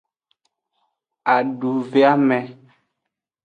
Aduveame.